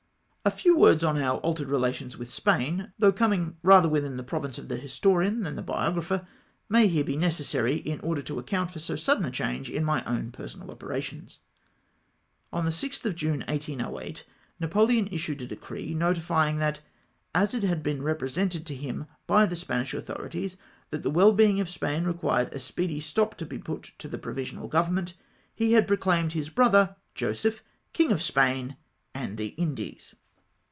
A few words on our altered relations with Spain, though coming rather within the province of the his torian than the biographer, may here be necessary, in order to account for so sudden a change in my own personal operations. On the 6th of June 1808, Napoleon issued a decree, notifying that, as it had been represented to liim by the Spanish authorities that the well being of Spain required a speedy stop to be put to the provisional government, he had proclaimed his brother Joseph, King of Spain and the Indies